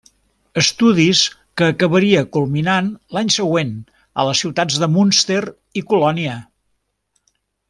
Estudis que acabaria culminant l'any següent a les ciutats de Münster i Colònia.